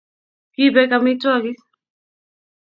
kibek amitwogik